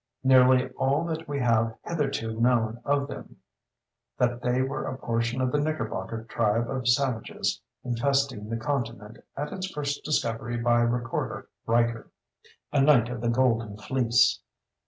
Nearly all that we have hitherto known of them is, that they were a portion of the Knickerbocker tribe of savages infesting the continent at its first discovery by Recorder Riker, a knight of the Golden Fleece.